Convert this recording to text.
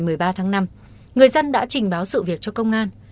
ngày một mươi ba tháng năm người dân đã trình báo sự việc cho công an